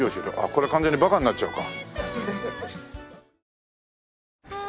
これ完全にバカになっちゃうか。